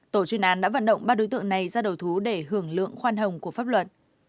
tổ chuyên án đã vận động ba đối tượng này ra đầu thú để hưởng lượng khoan hồng của pháp luật